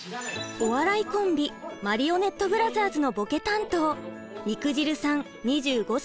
お笑いコンビマリオネットブラザーズのぼけ担当肉汁さん２５歳。